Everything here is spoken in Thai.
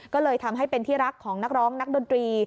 ก็เลยทำให้เป็นที่รักของนักร้องนักดนตรี